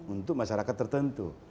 untuk masyarakat tertentu